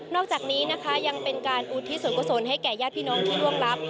อกจากนี้นะคะยังเป็นการอุทิศส่วนกุศลให้แก่ญาติพี่น้องที่ร่วงรับ